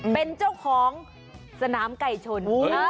เป็นเจ้าของสนามไก่ชน